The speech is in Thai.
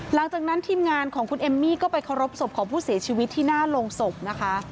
หลังจากนั้นทีมงานของคุณเอมมี่ก็ไปเคารพศพของผู้เสียชีวิตที่หน้าโรงศพนะคะ